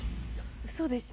嘘でしょ